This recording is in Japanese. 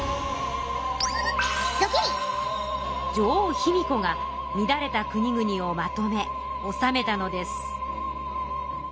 女王・卑弥呼が乱れたくにぐにをまとめ治めたのです。